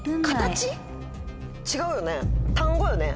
違うよね？